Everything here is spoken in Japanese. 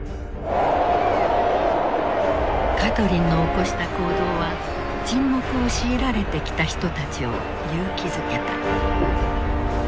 カトリンの起こした行動は沈黙を強いられてきた人たちを勇気づけた。